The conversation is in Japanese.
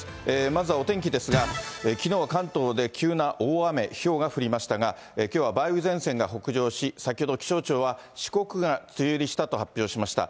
まずはお天気ですが、きのうは関東で急な大雨、ひょうが降りましたが、きょうは梅雨前線が北上し、先ほど、気象庁は、四国が梅雨入りしたと発表しました。